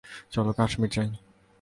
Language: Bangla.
চলো কাশ্মির যাই।